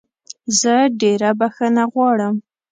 زه ډېره بخښنه غواړم.